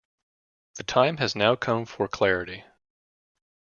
The time has now come for clarity.